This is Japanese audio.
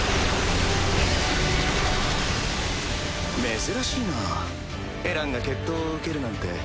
珍しいなエランが決闘を受けるなんて。